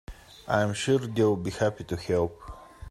I'm sure they'll be happy to help.